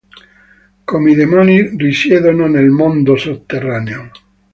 Come i demoni risiedono nel Mondo Sotterraneo.